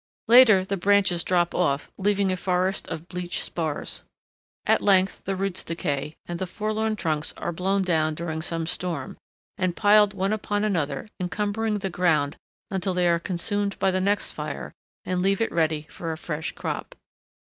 Later the branches drop off, leaving a forest of bleached spars. At length the roots decay, and the forlorn trunks are blown down during some storm, and piled one upon another encumbering the ground until they are consumed by the next fire, and leave it ready for a fresh crop.